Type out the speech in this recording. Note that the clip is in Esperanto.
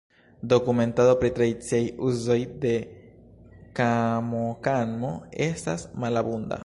Dokumentado pri tradiciaj uzoj de kamokamo estas malabunda.